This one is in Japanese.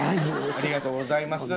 ありがとうございます。